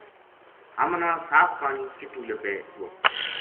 ہمنا صاف پانی کِتو لبھے گو ؟